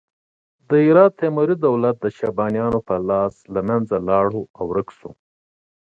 د هرات تیموري دولت د شیبانیانو په لاس له منځه لاړ او ورک شو.